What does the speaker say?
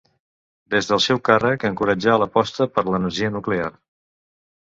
Des del seu càrrec encoratjà l'aposta per l'energia nuclear.